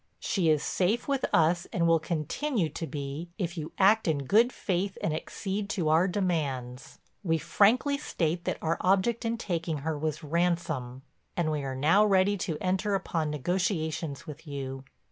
She is safe with us and will continue to be if you act in good faith and accede to our demands. We frankly state that our object in taking her was ransom and we are now ready to enter upon negotiations with you.